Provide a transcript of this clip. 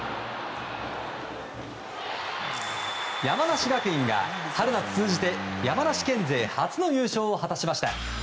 山梨学院が春夏通じて山梨県勢初の優勝を果たしました。